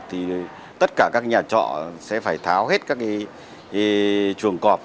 thì tất cả các nhà trọ sẽ phải tháo hết các chuồng cọp